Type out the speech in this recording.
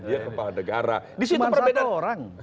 dia kepala negara cuma satu orang